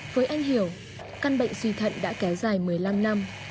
với anh hiểu căn bệnh suy thận đã kéo dài một mươi năm năm